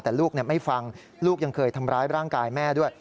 แต่ลูกไม่ฟังลูกยังเคยทำร้ายร่างกายแม่ด้วย